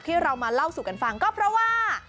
ที่เรามาเล่าสู่กันฟังก็เพราะว่า